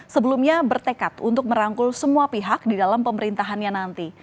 sebelumnya bertekad untuk merangkul semua pihak di dalam pemerintahannya nanti